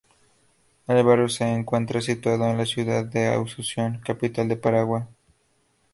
El barrio se encuentra situado en la ciudad de Asunción, capital de Paraguay.